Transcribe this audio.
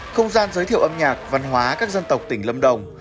không gian giới thiệu âm nhạc văn hóa các dân tộc tỉnh lâm đồng